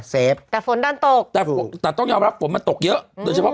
เฟฟแต่ฝนดันตกแต่ต้องยอมรับฝนมันตกเยอะโดยเฉพาะ